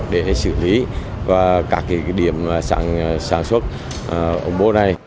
để xử lý và các điểm sản xuất bố này